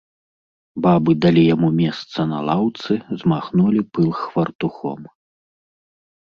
Бабы далі яму месца на лаўцы, змахнулі пыл хвартухом.